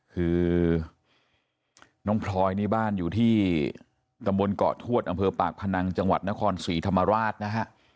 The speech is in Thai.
คือน้องพลอยนี่บ้านอยู่ที่ตำบลเกาะทวดอำเภอปากพนังจังหวัดนครศรีธรรมราชนะฮะ